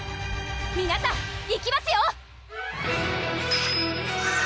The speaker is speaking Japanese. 皆さんいきますよ！